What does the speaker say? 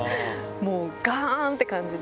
もうがーんって感じで、